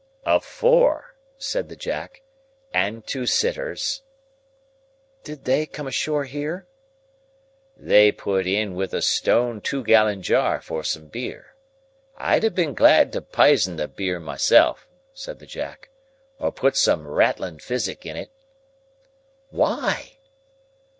"A four," said the Jack, "and two sitters." "Did they come ashore here?" "They put in with a stone two gallon jar for some beer. I'd ha' been glad to pison the beer myself," said the Jack, "or put some rattling physic in it." "Why?"